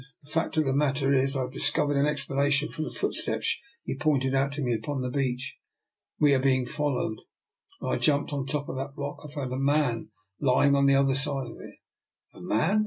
The fact of the matter is, I have discovered an ex planation for the footsteps you pointed out to me upon the beach. We are being fol lowed. When I jumped on the top of that rock, I found a man lying on the other side of it." '' A man?